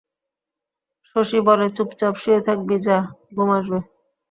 শশী বলে, চুপচাপ শুয়ে থাকবি যা, ঘুম আসবে।